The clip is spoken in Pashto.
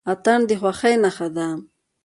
اتن د خوښۍ نښه ده.